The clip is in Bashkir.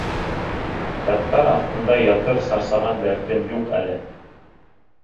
Яттар аҫтында ятыр сарсаған дәртем юҡ әле.